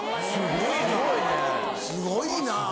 すごいな。